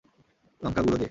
লঙ্কা গুঁড়ো দে।